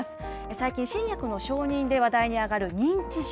最近、新薬の承認で話題に上がる認知症。